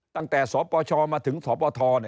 ตั้งแต่สปชมาถึงสปท